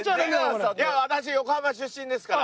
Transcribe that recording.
私横浜出身ですから。